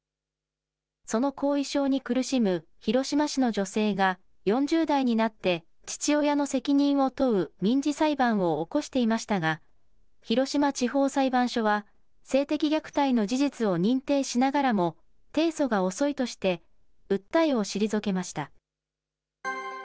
その後遺症に苦しむ広島市の女性が、４０代になって父親の責任を問う民事裁判を起こしていましたが、広島地方裁判所は性的虐待の事実を認定しながらも、提訴が遅いとして訴えを退けました。